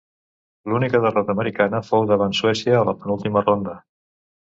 L'única derrota americana fou davant Suècia a la penúltima ronda.